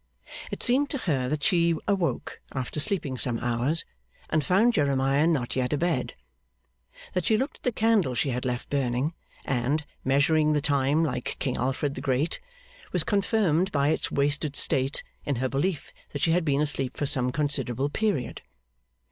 It seemed to her that she awoke after sleeping some hours, and found Jeremiah not yet abed. That she looked at the candle she had left burning, and, measuring the time like King Alfred the Great, was confirmed by its wasted state in her belief that she had been asleep for some considerable period.